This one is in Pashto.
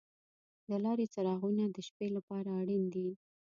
د لارې څراغونه د شپې لپاره اړین دي.